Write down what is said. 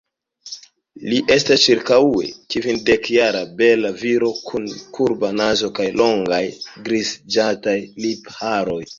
Li estas ĉirkaŭe kvindekjara, bela viro kun kurba nazo kaj longaj griziĝantaj lipharoj.